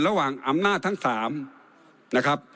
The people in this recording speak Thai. ระหว่างอำนาจทั้ง๓นะครับ